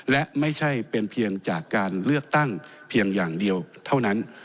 และไม่ใช่เป็นเพียงจากการเลือกตั้งเพียงอย่างเดียวเท่านั้น